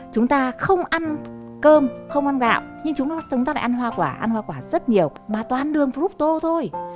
chúng ta không ăn cơm không ăn gạo nhưng chúng ta lại ăn hoa quả ăn hoa quả rất nhiều mà toàn đường fructose thôi